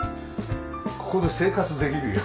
ここで生活できるよ。